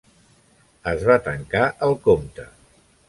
Es va tancar el compte.